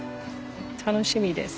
楽しみです。